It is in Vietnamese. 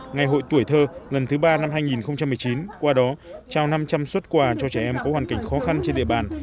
ngày hội tuổi thơ lần thứ ba năm hai nghìn một mươi chín qua đó trao năm trăm linh xuất quà cho trẻ em có hoàn cảnh khó khăn trên địa bàn